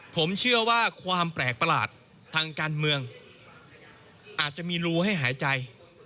ผมเชื่อว่าความแปลกประหลาดทางการเมืองอาจจะมีรูให้หายใจ